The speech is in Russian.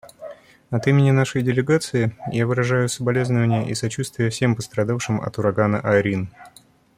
От имени нашей делегации я выражаю соболезнование и сочувствие всем пострадавшим от урагана «Айрин».